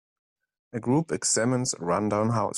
A group examines a run down house.